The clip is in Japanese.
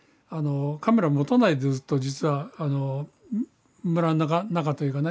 カメラを持たないでずっと実はあの村の中というかね